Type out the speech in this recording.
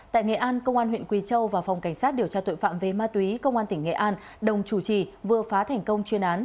tại nghệ an công an huyện quỳ châu và phòng cảnh sát điều tra tội phạm về ma túy công an tỉnh nghệ an đồng chủ trì vừa phá thành công chuyên án